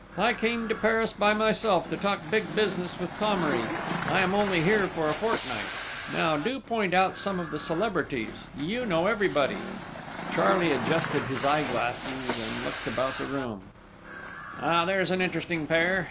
I came to Paris by myself to talk big business with Thomery. I am only here for a fortnight.... Now do point out some of the celebrities you know everybody!" Charley adjusted his eyeglass and looked about the room: "Ah, there's an interesting pair!